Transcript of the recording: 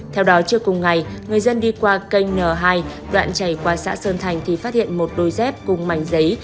theo đó chưa cùng ngày người dân đi qua kênh n hai đoạn chảy qua xã sơn thành thì phát hiện một đôi dép cùng mảnh giấy